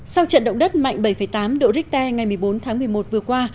sau trận động đất mạnh bảy tám độ richter ngày một mươi bốn tháng một mươi một vừa qua